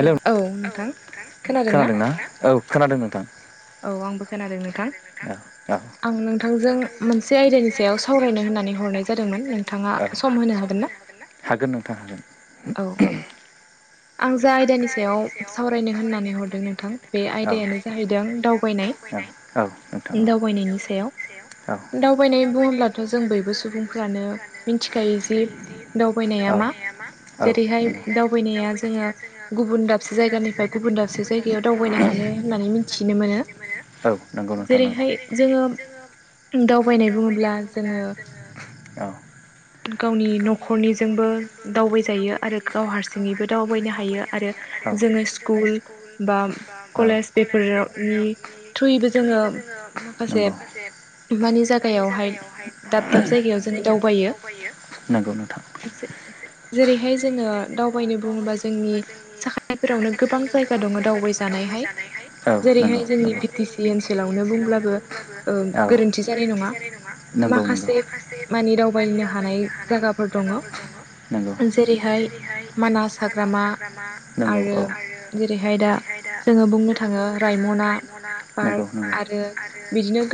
Hello औ नोंथां खोनादों ना औ खोनादों नोंथां आंबो औ आंबो खोनादों नोंथां आं नोंथांजों मोनसे आयदानि सायाव सावरायनो होननानै हरनाय जादोंमोन नोंथाङा सम होनो हागोन ना हागोन ना औ जा आयदानि सायाव सावरायनो होननानै हरदों नोंथां बे आयदायानो जाहैदों दावबायनाय औ नोंथां दावबायनायनि सायाव औ दावबायनाय बुङोब्लाथ' जों बयबो सुबुंफ्रानो मिथिखायो जि दावबायनाया मा जेरैहाय दावबायनाया जोङो गुबुन दाबसे जायगानिफ्राय गुबुन दाबसे जायगायाव दावबायनायखौनो होननानै मिथिनो मोनो औ जेरैहाय जोङो दावबायनाय बुङोब्ला जोङो [inaudible] गावनि न'खरनिजोंबो दावबायजायो आरो गाव हारसिंङैबो दावबायनो हायो आरो जोङो स्कुल बा कलेज बेफोरावनि थ्रुयैबो जोङो माखासे नंगौ मानि जायगायावहाय दाब दाब जायगायाव जोङो दावबायो नंगौ नोंथां। जेरैहाय जोङो दावबायनो बुङोबा जोंनि साखाथिफोरावनो गोबां जायगा दङ दावबाय जानायहाय। औ नंगौ जेरैहाय जोंनि बि टि सि ओनसोलावनो बुंब्लाबो औ गोरोन्थि जानाय नङा [unintelligible] नंगौ नंगौ माखासे मानि दावबायनो हानाय जायगाफोर दङ नंगौ जेरैहाय मानास हाग्रामा आरो जेरैहाय दा जोङो जोङो बुंनो थाङो रायमना आरो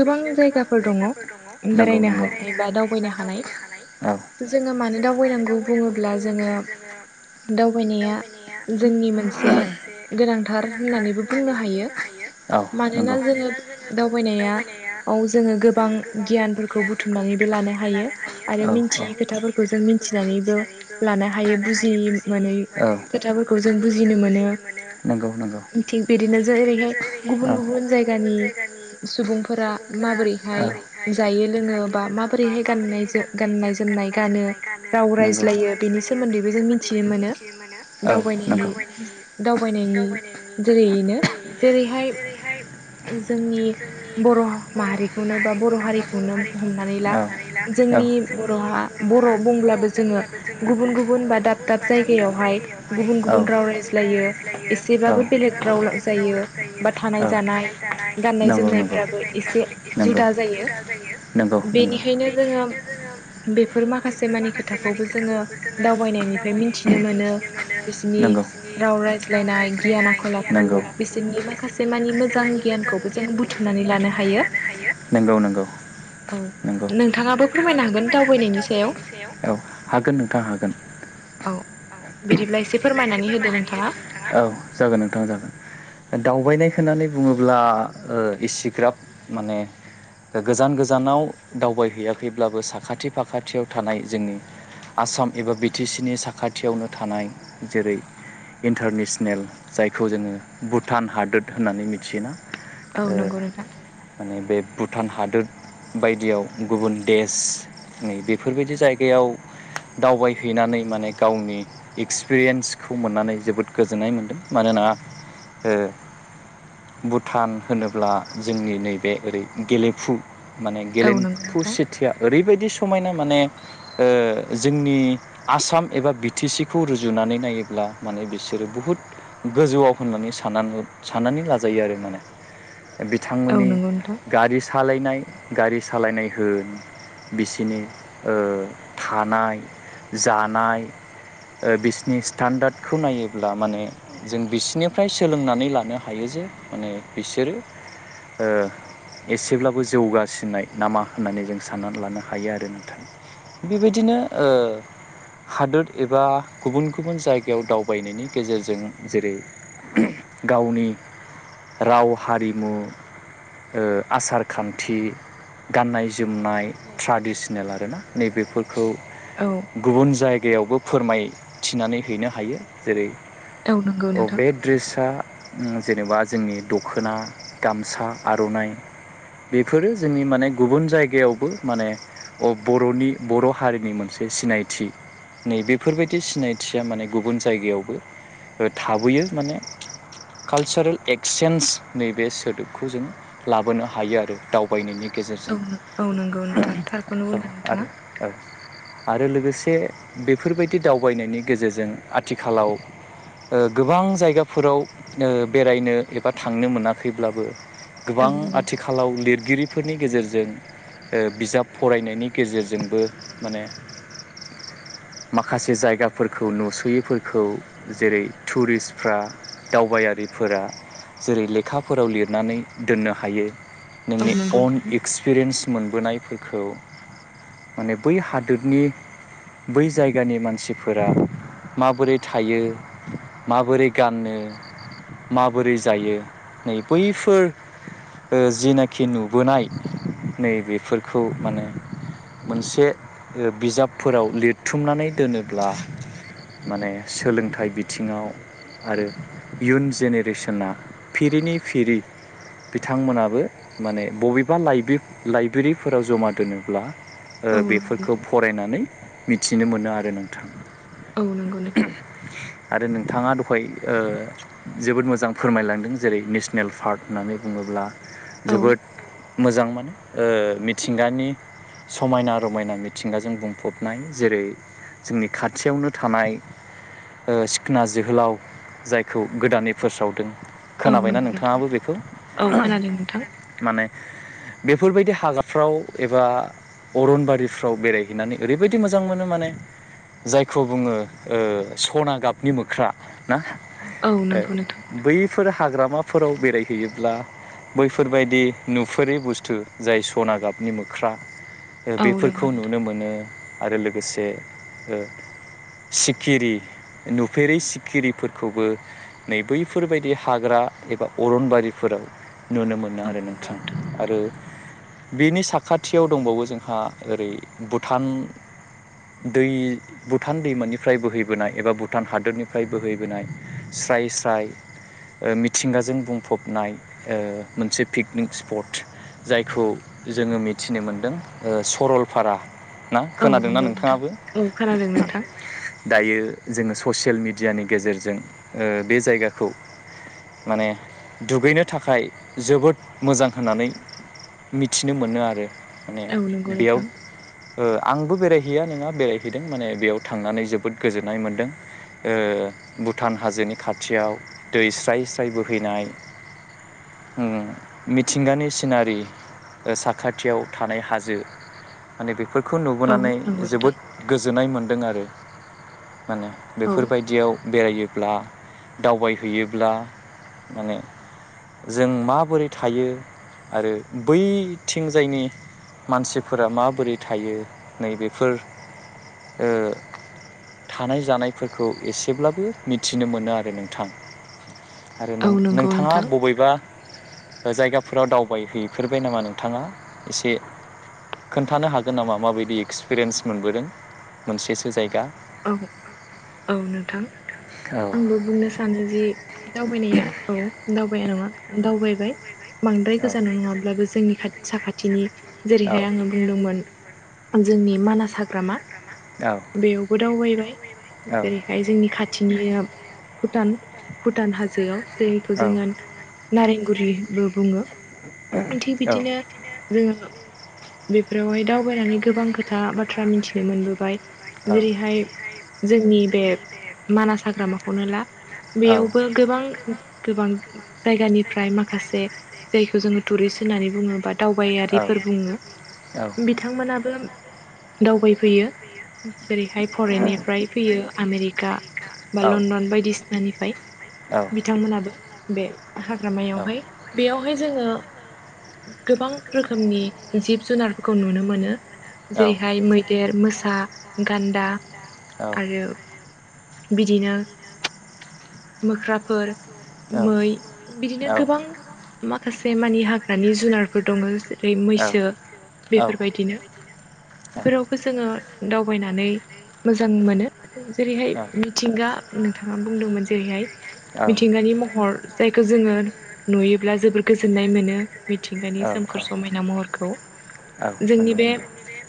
बिदिनो गोबां जायगाफोर दङ नंगौ नंगौ बेरायनो हानायबा दावबायनो हानाय जोङो मानो दावबायनांगौ बुङोब्ला दा जोङो दावबायनाया जोंनि मोनसे गोनांथार होननानै बुंनो हायो औ मानोना नंगौ जोङो दावबायनाया जोङो गोबां गियानफोरखौ बुथुमनानैबो लानो हायो आरो मिन्थियै खोथाफोरखौ जों नानै लानो हायो बुजि मोनै खोथाफोरखौ जों बुजिनो मोनो। नंगौ नंगौ थिग बिदिनो जेरैहाय गुबुन गुबुन जायगानि सुबुंफोरा माबोरैहाय जायो लोङो बा माबोरैहाय गाननाय गाननाय जोमनाय गानो राव रायज्लायो फायज्लायो सोमोन्दैबो बेनि सोमोन्दै मिथिनो जों मोनो मिन्थिनो मोनो दावबायनायनि दावबायनायनि जेरैयैनो जेरैहाय जोंनि बर' माहारिखौनो बा बर' हारिखौनो हमनानै ला जोंनि जोंनि बरहा बर' बुंब्लाबो जोङो गुबुन गुबुन बा दाब दाब जायगायावहाय गुबुन गुबुन राव रायज्लायो एसेब्लाबो बेलेग राव जायो बा थानाय जानाय गाननाय जोमनायफ्राबो एसे जुदा जायो। बेनिखायनो जोङो बेफोर माखासे मानि खोथाखौबो जोङो दावबायनायनिफ्राय मिथिनो मोनो बिसिनि राव रायज्लायनाय गियान आखल आखु बिसोरनि माखासे मानि मोजां -खौबो जों बुथुमनानै लानो हायो। नंगौ नंगौ नंगौ औ नोंथाङाबो फोरमायनो हागोन दावबायनायनि सायाव। ओ हागोन ओ औ बिदिब्ला इसे फोरमायनानै होदो नोंथाङा औ जागोन ओ थां जागोन दावबायनाय होननानै बुङोब्ला ओ इसिग्राब माने - गोजान गोजानाव दावबायहैयाखैब्लाबो साखाथि फाखाथियाव थानाय जोंनि आसाम एबा बि टि सि नि साखाथियावनो थानाय जेरै इन्टारनेसनेल जायखौ जोङो भुटान हादोर होननानै मिथियोना। औ ओ नंगौ नोंथां माने बे भुटान हादोद बायदियाव गुबुन देश नै बेफोरबायदि जायगायाव दावबायहैनानै माने गावनि एक्सपिरियेन्सखौ मोननानै जोबोद गोजोननाय मोनदों मानोना ओ भुटान होनोब्ला जोंनि नैबे ओरै गेलेफु माने औ नंगौ गेलेम्फु नोंथां सिथिया ओरैबायदि समायना माने ओ जोंनि आसाम एबा बि टि सिखौ रुजुनानै नायोब्ला माने बिसोरो बु हुद गोजौआव होननानै साना-साननानै लाजायो आरो माने औ बिथांमोननि नंगौ नोंथां गारि सालायनाय गारि सालायनाय होन बिसिनि ओ थानाय जानाय ओ बिसिनि स्टान्डाडखौ नायोब्ला माने जों बिसिनिफ्राय सोलोंनानै लानो हायो जे माने बिसोरो ओ एसेब्लाबो जौगासिननाय नामा होननानै जों साननानै लानो हायो आरो नोंथां बेबायदिनो ओ हादोद एबा गुबुन गुबुन जायगायाव दावबायनायनि गेजेरजों जेरै गावनि राव हारिमु ओ आसार खान्थि गाननाय जोमनाय ट्राडिसनेल आरोना नैबेफोरखौ औ गुबुन जाय गायावबो फोरमायथिनानै हैनो हायो। जेरै औ नंगौ अ नोंथां बे ड्रेसा उम जेनेबा जोंनि दखोना, गामसा, आर'नाइ बेफोरो जोंनि माने गुबुन जायगायावबो माने अ बर'नि बर' हारिनि मोनसे सिनायथि। नै बेफोरबायदि सिनायथिया माने गुबुन जायगायावबो थाबोयो माने कालसारेल एक्सेन्ज नैबे सोदोबखौ जों लाबोनो हायो आरो दावबायनायनि औ गेजेरजों। औ नंगौ नोंथां थारखौनो ओ बुंदों नोंथाङा आरो ओ आरो लोगोसे बेफोरबायदि दावबायनायनि गेजेरजों आथिखालाव ओ गोबां जायगाफोराव ओ बेरायनो एबा थांनो मोनाखैब्लाबो गोबां औ नंगौ नोंथां आथिखालाव लिरगिरि फोरनि गेजेरजों ओ बिजाब फरायनायनि गेजेरजोंबो माने माखासे जायगाफोरखौ नुस'यैफोरखौ जेरै टुरिस्टफ्रा दावबायारिफोरा जेरै लेखाफोराव लिरनानै दोननो हायो औ नोंनि नंगौ अन नोंथां एक्सपिरियेन्स मोनबोनायफोरखौ माने बै हादोरनि बै जायगानि मानसिफोरा माबोरै थायो माबोरै गानो माबोरै जायो नै बैफोर ओ जिनाखि नुबोनाय नै बेफोरखौ माने मोनसे ओ बिजाबफोराव लिरथुमनानै दोनोब्ला माने सोलोंथाइ बि थिङाव आरो इयुन जेनेरेसोना फिरिनि फिरै बिथांमोनाबो माने बबेबा लाइबि-लाइब्रेरिफोराव जमा दोनोब्ला ओ औ नंगौ बेफोरखौ नोंथां फरायनानै मिथिनो मोनो आरो नोंथां। औ नोंगौ नोंथां। आरो नोंथाङा दहाय ओ जोबोद मोजां फोरमायलांदों जेरै नेसनेल पार्क होननानै बुङोब्ला औ जोबोद मोजां माने ओ मिथिंगानि समायना रमायना मिथिंगाजों बुंफबनाय जेरै जोंनि खाथियावनो थानाय सिखोना जोहोलाव जायखौ गोदानै फोस्रावदों। औ खोनाबायना नंगौ नोंथां नोंथाङाबो बेखौ? औ खोनादों नोंथां माने बेफोरबायदि हागाफ्राव एबा अरनबारिफ्राव बेरायहैनानै ओरैबायदि मोजां मोनो माने जायखौ बुङो ओ सना गाबनि मोख्रा ना। औ ओ नंगौ नोंथां बैफोर हाग्रामा फोराव बेरायहैयोब्ला बैफोरबायदि नुफेरै बुस्थु जाय सना गाबनि मोख्रा औ नंगौ बेफोरखौ नोंथां नुनो मोनो। आरो लोगोसे ओ सिखिरि नुफेरै सिखिरिफोरखौबो नै बैफोरबायदि हाग्रा एबा अरनबारि फोराव नुनो मोनो औ आरो नंगौ नोंथां। आरो बेनि साखाथियाव दंबावो जोंहा ओरै भुटान दै भुटान दैमानिफ्राय बोहैबोनाय एबा भुटान हादोरनिफ्राय बोहैबोनाय स्राय स्राय ओ मिथिंगाजों बुंफबनाय ओ मोनसे पिकनिक स्पट। जायखौ जोङो मिथिनो मोनदों सरलपारा। ना औ खोनादोंना नंगौ नोंथां नोंथाङाबो? औ खोनादों नोंथां दायो जोङो ससियेल मेडियानि गेजेरजों ओ बे जायगाखौ माने दुगैनो थाखाय जोबोद मोजां होननानै मिथिनो मोनो आरो माने औ नंगौ बेयाव नोंथां ओ आंबो बेरायहैया नङा बेरायहैदों माने बेयाव थांनानै जोबोद गोजोननाय मोन्दों ओ भुटान हाजोनि खाथियाव दै स्राय स्राय बोहैनाय ओ मिथिंगानि सिनारि ओ साखाथियाव थानाय हाजो माने बेफोर खौ औ नुबोनानै नंगौ नोंथां जोबोद गोजोननाय मोनदों आरो माने औ बेफोरबायदियाव बेरायो ब्ला दावबायहैयोब्ला माने जों माबोरै थायो आरो बैथिंजायनि मानसिफोरा माबोरै थायो नैबेफोर ओ थानाय जानायफोरखौ एसेब्लाबो मिथिनो मोनो आरो नोंथां। आरो औ नों नंगौ नोंथाङा नोंथां बबेबा ओ जायगाफोराव दावबायहैफेरबाय नामा नोंथाङा एसे खोन्थानो हागोन नामा माबायदि एक्सपिरियेन्स मोनबोदों मोनसेसो जायगा [inaudible] औ नोंथां औ औ आंबो बुंनो सानो जि दावबायनाया औ दावबाया नङा दावबायबाय बांद्राय गोजानाव नङाब्लाबो जोंनि खाथि साखाथिनि जेरैहाय आङो बुंदोंमोन जोंनि मानास हाग्रामा औ बेयावबो दावबायबाय जेरैहाय जोंनि खाथिनि भुटान भुटान हाजोआव जैखौ जोङो नारेंगुरिबो बुङो थिग बिदिनो बिदिनो जोङो बेफोरावहाय दावबायनानै गोबां खोथा बाथ्रा मिथिनो मोनबोबाय। बेयावबो जेरैहाय जोंनि बे मानास हाग्रामाखौनो ला बेयावबो गोबां गोबां जायगानिफ्राय माखासे जायखौ जोङो टुरिस्ट होननानै बुङोबा दावबायारिफोर बुङो बिथांमोनाबो दावबायफैयो जेरैहाय फरेननिफ्राय फैयो आमेरिका बा औ लण्डन बायदिसिनानिफ्राय औ बिथांमोनाबो बे हाग्रामायावहाय बेयावहाय जोङो गोबां रोखोमनि जिब जुनारफोरखौ नुनो मोनो औ जेरैहाय मैदेर मोसा गान्दा आरो बिदिनो मोख्राफोर औ मै बिदिनो गोबां माखासे मानि हाग्रानि जुनारफोर दङ ओरै मैसो औ बेफोरबायदिनो बेफोरावबो जोङो दावबायनानै मोजां मोनो जेरैहाय औ मिथिंगा नोंथाङा बुंदोंमोन जेरैहाय मिथिंगानि महर जायखौ जोङो नुयोब्ला जोबोर गोजोननाय मोनो। मिथिंगानि सोमखोर समायना महरखौ जोंनि बे बुंदोंमोन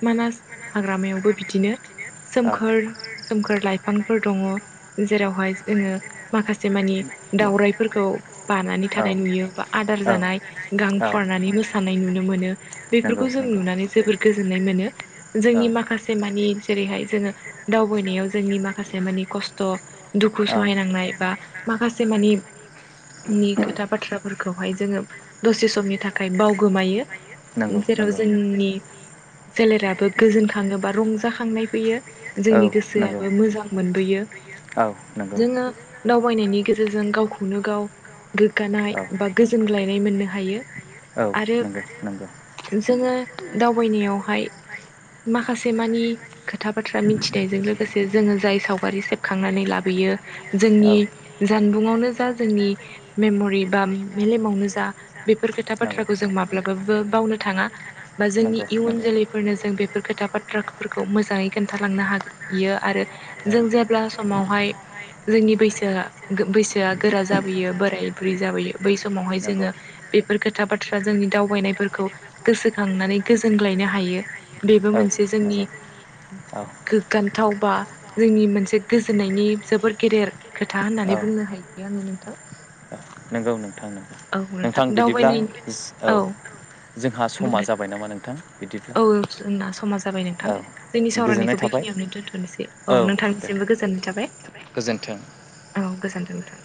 मानास हाग्रामायावबो बिदिनो औ नुयो नुयोब्ला सोमखोर सोमखोर लाइफांफोर दङ जेरावहाय जोङो माखासे मानि दावराइफोरखौ बानानै थानाय नुयो बा आदार जानाय गां फुवार नानै मोनाय नुनो मोनो बेफोरखौ जों नुनानै जोबोर गोजोननाय मोनो जोंनि माखासे मानि जेरैहाय जोङो दावबायनायाव जोंनि माखासे मानि खस्थ' दुखु सहायनांनाय बा माखासे मानि नि खोथा बाथ्राफोरखौहाय जोङो दसे समनि थाखाय बावगोमायो नंगौ जेराव नंगौ जोंनि सोलेराबो गोजोनखाङो बा रंजाखांनाय फैयो जोंनि औ गोसोआबो मोजां मोनबोयो। [inaudible] नोंगौ फरायनायनि गेजेरजों गावखौनो गाव गोग्गानाय औ बा गोजोनग्लायनाय मोननो हायो औ आरो नंगौ नंगौ जोङो दावबायनायावहाय माखासे मानि खोथा बाथ्रा मिथिनायजों लोगोसे जोङो जाय सावगारि सेबखांनानै लाबोयो औ जोंनि जानबुंआवनो जा जोंनि मेम'रि बा मेलेमावनो जा बेफोर खोथा नंगौ बाथ्राखौ जों माब्लाबाबो बावनो थाङा बा नंगौ जोंनि इयुन जोलैफोरनो जों बेफोर खोथा खोथा बाथ्राफोरखौ मोजाङै खोन्थालांनो हायो आरो जों जेब्ला समावहाय जोंनि बैसोआ बैसोआ गोरा जाबोयो बोराय बुरै जाबोयो बै समावहाय नंगौ औ जोङो नंगौ बेफोर खोथा बाथ्रा जोंनि दावबायनायफोरखौ गोसोखांनानै गोजोनग्लाय नो हायो औ नंगौ औ गोग्गाथावबा जोंनि गोजोननायनि जोबोद बेबो मोनसे जोंनि गोग्गा थाव बा जोंनि मोनसे गोजोननायनि जोबद गेदेर खोथा होननानै औ बुंनो हायो आङो नोंथां नंगौ नोंथां नोंगौ औ नोंथां बिदिब्ला दावबायनायनि औ जोंहा समा बुंदो जाबाय नामा नोंथां बिदिब्ला औ जोंना समा जाबाय नोंथां औ जोंनि गोजोननाय सावरायनायखौ थाबाय। बेखिनियावनो दोन्थ'नोसै औ नोंथांनिसिमबो गोजोननाय थाबाय। गोजोन्थों औ गोजोन्थों नोंथां